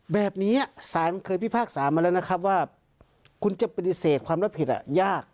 แบบนี้สารเคยพิพากษามาแล้วนะครับว่าคุณจะปฏิเสธความรับผิดยาก